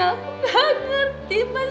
gak ngerti mas